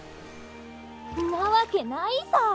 んなわけないさ。